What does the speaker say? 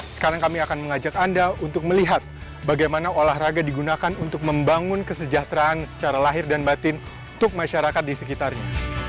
sekarang kami akan mengajak anda untuk melihat bagaimana olahraga digunakan untuk membangun kesejahteraan secara lahir dan batin untuk masyarakat di sekitarnya